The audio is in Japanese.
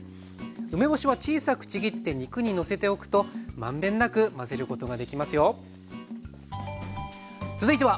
梅干しは小さくちぎって肉にのせておくと満遍なく混ぜることができますよ。